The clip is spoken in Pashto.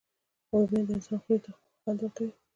رومیان د انسان خولې ته خوند راولي